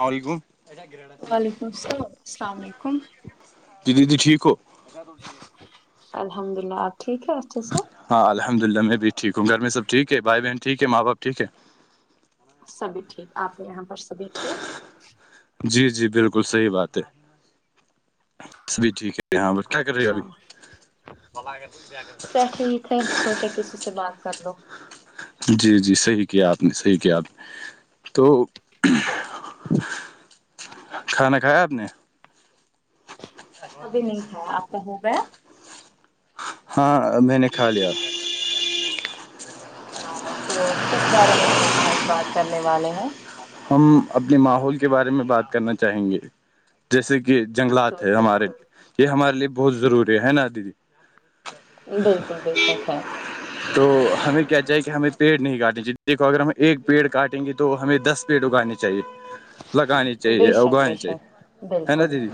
السلام علیکم وعلیکم السلام علیکم جی دیدیٹھیک ہو الحمد اللہ آپ ٹھیک ہے اھ سر ہاں الحمد للہ میں بھیھٹیک ہوں گھر میں سب ٹھیک بائی بہن ٹھیک ہےاں بپ ٹھیک ہے سبھی ٹھیک آپ کے یہاں پر سبھی ٹھیک جی جی بالکل صحیح بات ہے بس بھی ٹھیک ہے ہاں بس کیا کر رہی ہے اچھا ابھی بگ بیٹھے ہی تھے سوچا کسی سے بات کر لو جی جی صحیح کیا آپ نے صحیح کیا آپ نے تو اوکے جی کھانا کھایا آپ نے ابھی نہیں تھاھیا آپ کو ہو گیا ہاں میں نے کھا لیا اچھا تو کس بارے میں ہم آج بات کرنے والے ہیں ہم اپنے ماحول کے بارے میں بات کرنا چاہیں گے جیسے کہ جنگلات تو ہے ہمارے بالکل یہ ہمارے لیے بہت ضروری ہے نا دیدی بالکل بشک ہے تو ہمیں کیا جائے کہ ہمیں پیڑ نہیں کاٹنے چاہیے دیکھو اگر ہم ایک پیڑ کاٹیں گے تو ہمیں دس پیٹ اگانی چاہیے لگانی بے چاہیے شک بے اگانی چاہیے شک ہے نا بالکل دیدی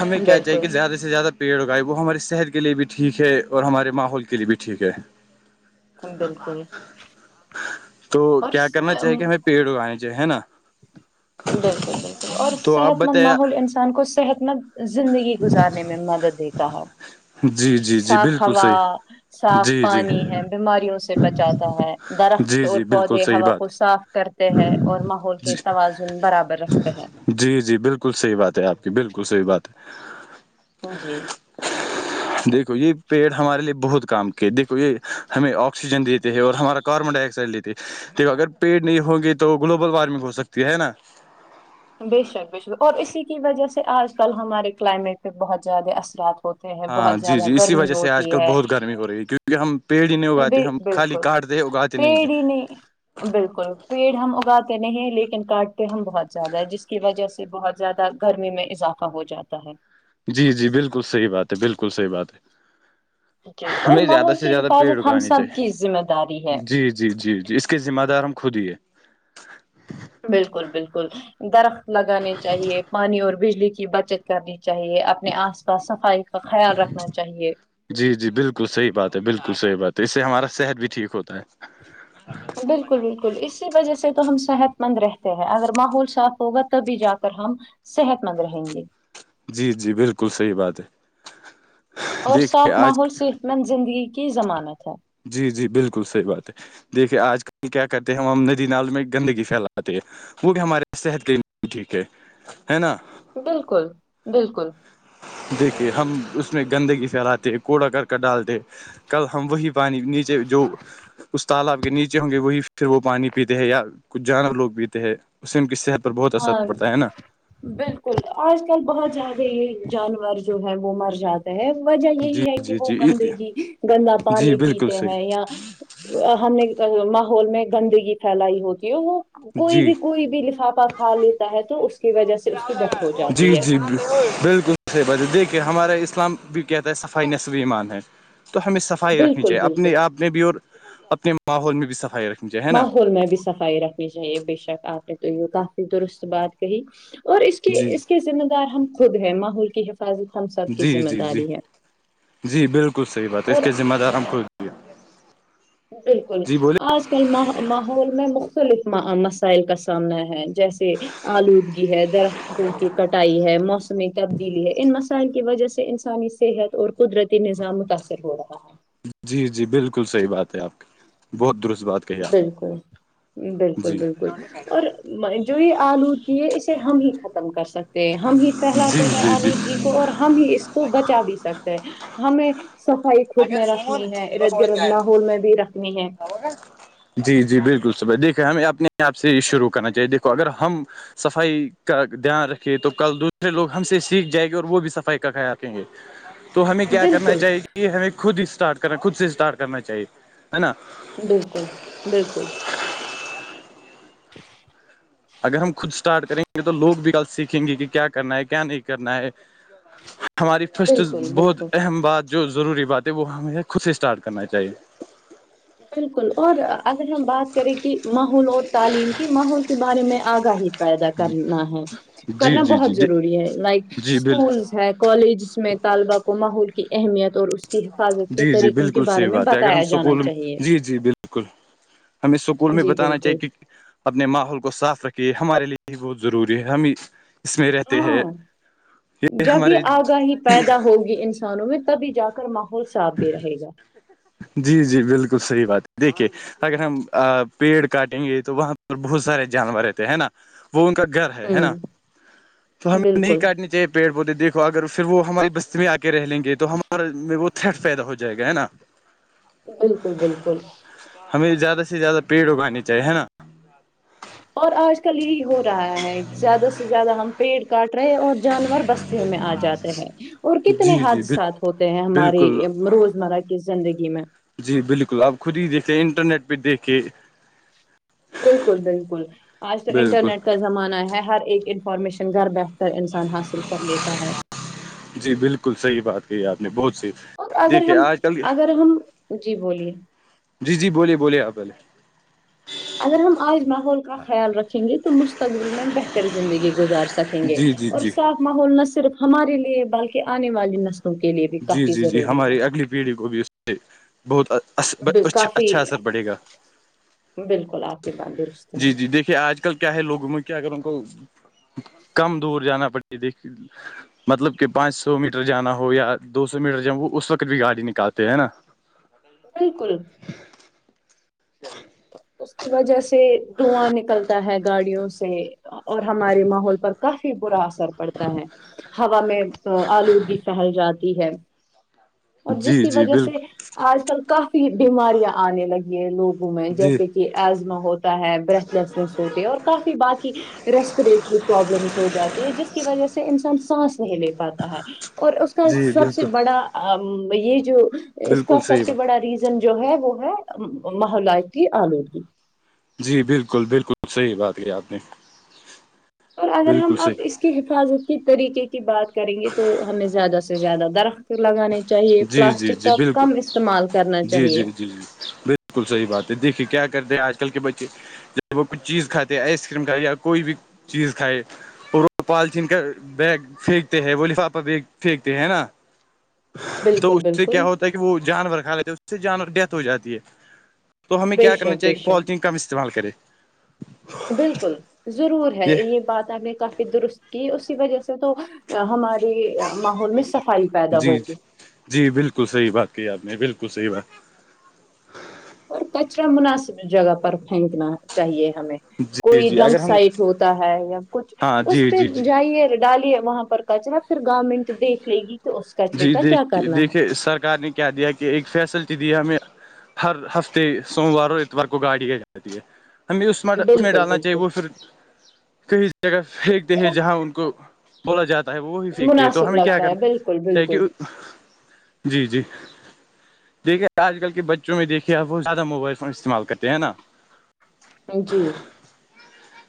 ہمیں کیا چاہیے بالکل کہ زیادہ سے سے زیادہ پیڑ اگائے وہ ہماری صحت کے لیے بھی ٹھیک ہے اور ہمارے ماحول کے لیے بھی ٹھیک ہے بالکل تو اور کیا کرنا چاہیے کہ ہمیں پیڑ اگانے چاہیے ہے نا بالکل بالکل اور تو آپ صحت مند بتایا ماحول انسان کو صحت مند زندگی گزارنے میں مدد دیتا تاح جی جی جی صاف بالکل ہوا صحیح صاف جی جی پانی ہے بیماریوں سے بچاتا ہے درخت جی اور جی بالکل پودے صحیح ہا بات کو صاف کرتے ہیں اور ماحول کے جی توازن برابر رکھتے ہیں جی جی بالکل صحیح بات ہے آپ کی بالکل صحیح بات ہے جی دیکھو یہ پیڑ ہمارے لیے بہت کام کے دیکھو یہ ہمیں آکسیجن دیتے ہیں اور ہمارا کاربن ڈائی آکسائڈ لیتے ہے دیکھو اگر پیڑ نہیں ہوں گے تو تو گلوبل وارمنگ ہو سکتی ہے نا بےشک بےشک اور اسی کی وجہ سے آج کل ہمارے کلائمیٹ پہ بہت زیادہ اثرات ہوتے ہیں ہاں بہت جی زیادہ جی اسی گرمی وجہ سے آج ہوتی کل ہے بہت گرمی ہو رہی ہے کیونکہ ہم پیڑ ہی نہیں ب اگاتے ہم خالی بالکل کاٹتے اگاتے پیڑ ہی ہیں نہیں بالکل پیڑ ہم اگاتے نہیں لیکن کاٹتے ہم بہت زیادہ ہے جس کی وجہ سے بہت زیادہ گرمی میں اضافہ ہو جاتا ہے جی جی بالکل صحیح بات ہے بالکل صحیح بات ہے جی اور ہمیں زیادہ ماحول سے کی زیادہ پیڑ حفاظت ہم اگے سب چاہیے کی ذمہ داری ہے جی جی جی جی اس کے ذمہ دار ہم خود ہیے بالکل بالکل درخت لگانے چاہیے پانی اور بجلی کی بچت کرنی چاہیے اپنے آس پاس صفائی کا خیال رکھنا چاہیے جی جی بالکل صحیح بات ہے بالکل صحیح بات ہے اس سے ہمارا صحت بھی ٹھیک ہوتا ہے بالکل بالکل اسی وجہ سے تو ہم صحت مند رہتے ہیں اگر ماحول صاف ہوگا تبھی جا کر ہم صحت مند رہیں گے جی جی بالکل صحیح بات ہے اور صاف دیکھیے آج ماحول صحت مند زندگی کی ضمانت ہے جی جی بالکل صحیح بات ہے دیکھیے آج کل کیا کرتے ہیں ہم ہم ندی نال میں گندگی پھیلاتے ہیں وہ بھی ہمارے صحت کے لیے ٹھیک ہے ہے نا بالکل بالکل دیکھیے ہم اس میں گندگی پھیلاتے ہیں کوڑا کرک ڈالتے کل ہم وہی پانی نیچے جو اس تالاب کے نیچے ہوں گے وہی پھر وہ پانی پیتے ہیں یا کچھ جانور لوگ پیتے ہیں اسم کی صحت پر بہت اثر ہاں پڑتا ہے نا بالکل آج کل بہت زیادہ جانور جو ہے وہ مر جاتا وجہ جی یہی ہے کہ جی وہ جی گندگی گندا جی پانی بالکل پیتے ہیں صحیح یا ہم نے ماحول میں گندگی پھیلائی ہوتی ہے وہ کوئی جی بھی کوئی بھی لفافہ کھا لیتا ہے تو اس کی وجہ سے اس کی ڈیتھ ہو جی جاتی ہے جی بالکل صح بات ہے دیکھیے ہمارا اسلام بھی کہتا ہے صفائی نصل ایمان ہے تو ہمیں صفائی رکھنی بالکل چاہیے بالکل اپنے آپ نے بھی اور اپنے ماحول میں بھی صفائی رکھ ماحول میں بھی صفائی رکھنی چاہیے بے شک آپ نے تو یہ کافی درست بات کہی اور اس کے جی اس کے ذمہ دار ہم خود ہے ماحول کی حفاظت ہم سب کی جی ذمہ جی جی داری ہے جی بالکل صحیح بات ہے اس اور کے ذمہ دار ہم کو شہ بالکل آ آج کل ماحول میں مختلف مسائل کا سامنا ہے جیسے آلودگی ہے درخت جو کی کٹائی ہے موسمی تبدیلی ہے ان مسائل کی وجہ سے انسانی صحت اور قدرتی نظام متاثر ہو رہا ہے جی جی بالکل صحیح بات ہے آپ کی بہت درست بات ہے بالکل بالکل بالکل اور جو یہ آلودگی ہے اسے ہم ہی ختم کر سکتے ہیں ہم ہی جی پھیلاتے ہیں جی جی آلودگی کو اور ہم ہی اس کو بچا بھی سکتے ہیں ہمیں صفائی خود میں رکھنی ہے ارد گرد ماحول میں بھی رکھنی ہے جی جی بالکل صبائی دیکھے ہمیں اپنے آپ سے شروع کرنا چاہیے دیکھو اگر ہم صفائی کا دھیان رکھیے تو کل دوسرے لوگ ہم سے سیکھ جائے گے اور وہ بھی صفائی کا خیال گے تو ہمیں کیا کرنا بالکل چاہیے ہمیں خود اسٹارٹ کرنا خود سے اسٹارٹ کرنا چاہیے ہے نا بالکل بالکل اگر ہم خود اسٹارٹ کریں گے تو لوگ بھی غلط سیکھیں گے کہ کیا کرنا ہے کیا نہیں کرنا ہے ہماری فسٹ بالکل بہت بالکل اہم بات جو ضروری بات ہے وہ ہمیں خود سے اسٹارٹ کرنا چاہیے بالکل اور اگر ہم بات کریں کہ ماحول اور تعلیم کی ماحول کے بارے میں آگاہی ت پیدا کرنا ہے جی کرنا جی بہت جی ضروری ہے لائک جی بال اسکولس ہے کالجس میں طالبہ کو ماحول کی اہمیت اور اس کی حفاظت کے جی جی طریقوں کے بالکل بارے صحیح میں بات ہے اگر بتایا ہم جانا سکول چاہیے جی جی بالکل ہمیں سکول میں جی بتانا چاہیے بالکل کہ اپنے ماحول کو صاف رکھیے ہمارے لیے یہ بہت ضروری ہے ہمیں ہاں جب یہ آگاہی پیدا ہوگی ان کانوں میں تبھی جا کر ماحول صاف بھی رہے گا جی جی بالکل صحیح بات ہے دیکھیے اگر ہم پیڑ کاٹیں گے تو وہاں پر بہت سارے جانور رہتے ہے نا وہ ان کا گھر ہے ہے ہوں نا تو ہمیں نہیں بالکل کاٹنی چاہیے پیڑ پودے دیکھو اگر پھر وہ ہماری بستی میں آ کے رہ لیں گے تو ہمارے وہ تھرٹ پیدا ہو جائے گا ہے نا بالکل بالکل ہمیں زیادہ سے زیادہ پیڑ اگانی چاہیے ہے نا اور آج کل یہی ہو رہا ہے زیادہ سے زیادہ ہم پیڑ کاٹ رہے ہیں اور جانور بس میں آ جاتے ہیں اور کتنے جی جی حادثات ہوتے ہیں ہماری بالکل روزمرہ کی زندگی میں جی بالکل آپ خود ہی دیکھے انٹرنیٹ پہ دیکھے بالکل بالکل آج تو بالکل انٹرنیٹ کا زمانہ ہے ہر ایک انفارمیشن گھر بیٹھے انسان حاصل کر لیتا ہے جی بالکل صحیح بات کہی آپ نے بہت سی اور اگر ہم اگر ہم جی بولیے جی جی بولیے بولیے آپ بولے اگر ہم آج ماحول کا خیال رکھیں گے تو مستقبل میں بہتر زندگی گزار سک سکیں گے جی جی اور جی صاف ماحول نہ صرف ہمارے لیے بلکہ آنے والی نسل جی جی جی ہماری اگلی پیڑھی کو بھی اس سے بہت ہے ب- اچھا کافی اچھا اثر پڑے گا بالکل آپ ہے جی جی دیکھیے آج کل کیا ہے لوگوں میں کیا اگر ان کو کم دور جانا پڑتا یہ دیکھ مطلب کہ پانچ سو میٹر جانا ہو یا دو سو میٹر ہو اس وقت بھی گاڑی نکالتے ہے نا بالکل اس کی وجہ سے دھواں نکلتا ہے گاڑیوں سے اور ہمارے ماحول پر کافی برا اثر پڑتا ہے ہوا میں آلودگی پھیل جاتی ہے اور جس جی کی جی وجہ سے بالکل آج کل کافی بیماریاں آنے لگی ہیں لوگوں میں جی جیسے کہ ایزما ہوتا ہوتا ہے بریتھ لیسنس ہوتے اور کافی باقی ریسپریٹری پرابلمس ہو جاتی ہے جس کی وجہ سے انسان سانس نہیں لے پاتا ہے اور اس کا جی سب سے بالکل بڑا یہ جو اس کا بالکل سب صحیح سے بات بڑا ریزن جو ہے وہ ہے محولیاتی آلودگی جی بالکل بالکل صحیح بات کی آپ نے اور اگر ہم بالکل اب صحیح اس کی حفاظت کے طریقے کی بات کریں گے تو ہمیں زیادہ سے زیادہ درخت لگانانی چاہیے جی جی پلاسٹک جی کا بالکل کم استعمال کرنا جی چاہیے جی جی جی نہیں بالکل صحیح بات ہے دیکھیے کیا کرتے ہیں آج کل کے بچے جب وہ کچھ چیز کھاتے آئس کریم کھائے یا کوئی بھی چیز کھائے اور وہ پالچین کا بیگ پھینکتے ہیں وہ لفافہ پھینکتے ہیں نا تو بالکل اس سے کیا بالکل ہوتا ہے کہ وہ جانور کھا لیتے اس سے جانور ڈیتھ ہو جاتی ہے تو ہمیں بے کیا کرنا شک چاہیے بے کہ شک پالیتین کم استعمال کریں بالکل ضرور ہے یہ بات آپ نے کافی درست کی اسی وجہ سے تو ہمارے ماحول میں صفائی پیدا جی ہوگی جی جی بالکل صحیح بات کہ آپ نے بالکل صحیح بات اور کچرا مناسب جگہ پر پھینکنا چاہیے ہمیں جی کوئی جی ڈمپ اگر ہم سائٹ ہوتا ہے یا کچھ ہاں اس جی پہ جی جی جائیے ڈالے وہاں پر ا چلا پھر گارمنٹ دیکھ لے گی تو اس کچرے جی کا دیک کیا کرنا دیکھیے سرکار نے کیا دیا کہ ایک فیسلٹی دیا ہمیں ہر ہفتے سوموار اور اتوار کو گاڑی کی جاتی ہے ہمیں اس ہے اس میں بالکل ڈالنا چاہیے بالکل وہ پھر کہیں جگہ پھینکتے ہیں وہ جہاں ان کو بولا جاتا ہے وہ وہی پھینکتے ہیں تو مناسب ہمیں کیا لگتا ہے کرنا بالکل چاہ کہ بالکل جی جی دیکھیے آج کل کے بچوں میں دیکھیے آپ وہ زیادہ موبائل فون استعمال کرتے ہیں نا جی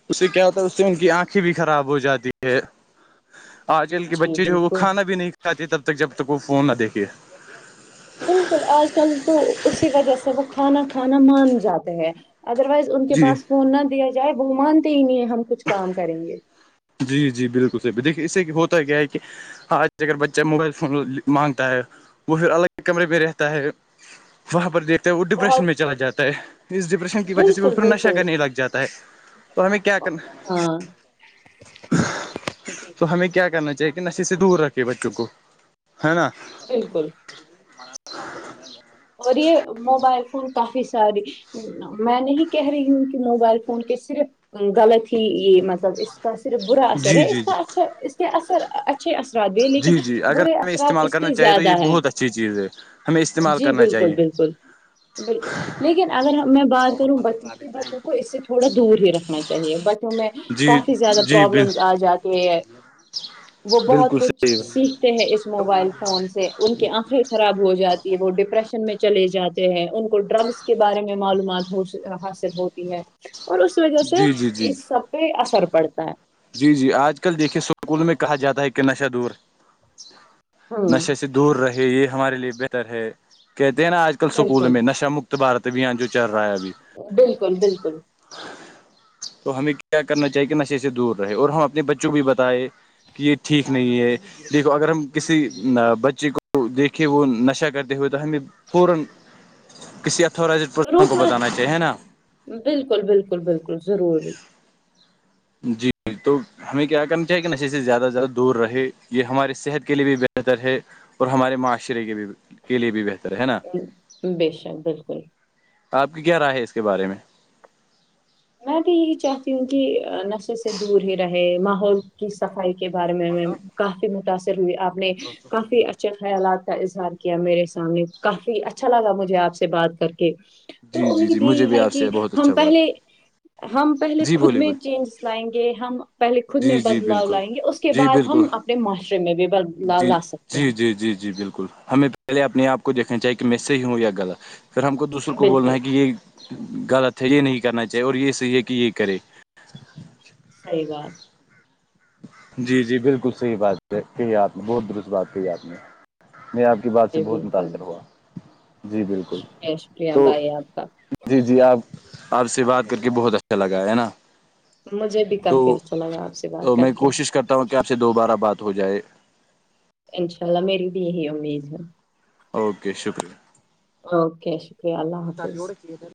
اس سے کیا ہوتا ہے اس سے ان کی آنکھیں بھی خراب ہو جاتی ہے آج کل کے جی بچے جو وہ بالکل کھانا بھی نہیں کھاتے تب تک جب تک وہ فون نہ دیکھے بالکل آج کل تو اسی وجہ سے وہ کھانا کھانا مان جاتے ہیں ادر وائز ان کے جی پاس فون نہ دیا جائے وہ مانتے ہی نہیں ہے ہم کچھ کام کریں گے جی جی بالکل صح دیکے اس سے ہوتا کیا ہے کہ ہاں اگر بچہ موبائل فون مانگتا ہے وہ پھر الگ کمرے پہ رہتا ہے وہاں پر دیکھتے وہ ڈپریشن بہت میں چلا جاتا ہے اس ڈپریشن کی وجہ سے وہ بالکل پھر نشہ بالکل کرنے لگ جاتا ہے تو ہمیں کیا کرنا ہاں جی جی تو ہمیں کیا کرنا چاہیے کہ نشے سے دور رکھے بچوں کو ہے نا بالکل اور یہ موبائل فون کافی ساری میں نہیں کہہ رہی ہوں کہ موبائل فون کے صرف غلط ہی یہ مطلب اس کا صرف برا اثر جی ہے جی اس جی کا اچھا اس کے اثر اچھے ارات بھی لیکن جی جی اگر برے ہمیں اثرات استعمال اس کرنا کے چاہیے تو یہ زیادہ ہے بہت اچھی چیز ہے ہمیں استعمال جی کرنا بالکل چاہیے بالکل بالکل لیکن اگر میں بات کروں بچ بچوں کو اس سے تھوڑا دور ہی رکھنا چاہیے ب میں جی کافی زیادہ جی بال پرابلمس آ جاتے ہیں وہ بہت بالکل کچھ صحیح سیکھتے ہیں اس موبائل فون سے ان کے آنکھیں خراب ہو جاتی وہ ڈپریشن میں چلے جاتے ہیں ان کو ڈرگس کے بارے میں معلومات حاصل ہوتی ہے اور اس وجہ سے جی جی جی اس سب پہ اثر پڑتا ہے جی جی آج کل دیکھیے اسکول میں کہا جاتا ہے کہ نشہ دور ہوں نشے سے دور رہے یہ ہمارے لیے بہتر ہے کہتے نا آج کل سکول بالکل میں نشہ مک بارت بھی آ جو چل رہا ہے ابھی بالکل بالکل تو ہمیں کیا کرنا چاہیے کہ نشے سے دور رہے اور ہم اپنے بچوں بھی بتائے کہ یہ ٹھیک نہیں ہے دیکھو اگر ہم کسی بچے کو دیکھے وہ نشہ کرتے ہوئے تو ہمیں پورن کسی اتورائز پرسن کو روکنا بتانا چاہیے نا بالکل بالکل بالکل ضروری جی جی تو ہمیں کیا کرنا چاہے کہ نشے سے زیادہ سے زیادہ دور رہے یہ ہمارے صحت کے لیے بھی بہتر ہے اور ہمارے معاشرے کے بھی کے لیے بھی بہتر ہے نا بے شک بالکل آپ کی کیا رائے ہے اس کے بارے میں میں بھی یہی چاہتی ہوں کہ نشے سے دور ہی رہے ماحول کی صفائی کے بارے میں کافی متاثر ہوئی آپ نے کافی اچھا خیالات کا اظہار کیا میرے سامنے کافی اچھا لگا مجھے آپ سے بات کر کے جی تو جی جی امید مجھے یہی بھی ہے آپ سے کہ بہت اچھا ہم بات پہلے ہم پہلے جی خود بولیے میں بولیے چینج لائیں گے ہم پہلے خود میں جی جی بدلاؤ بالکل لائیں گے اس کے جی بعد بالکل ہم اپنے معاشرے میں بھی بدلاؤ جی لا سکتے جی ہیں جی جی جی بالکل ہمیں تو پہلے اپنے آپ کو دیکھنا چاہے کہ میں سے ہی ہوں یا غل پھر ہم کو دوسروں کو بولنا بالکل ہے کہ یہ غلط ہے یہ نہیں کرنا چاہیے اور یہ صی ہے کہ یہ کرے صیح بات جی جی بالکل صحیح بات ہے کہی آپ نے بہت درست بات کہی آپ نے میں آپ کی بات سے جی بہت بالکل متاثر ہوا جی بالکل شکریہ شکریہ تو بھائی آپ کا جی جی آپ آپ سے بات کر کے بہت اچھا لگا ہے ہے نا تو ال لگاپ سے تو بات میں کر کے کوشش کرتا ہوں کہ آپ سے دوبارہ بات ہو جائے انشاء اللہ میری بھی یہی امید ہے اوکے شکریہ اوکے شکریہ اللہ حافظ ہے